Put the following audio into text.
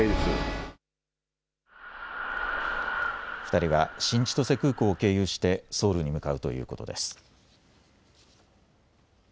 ２人は新千歳空港を経由してソウルに向かうということです。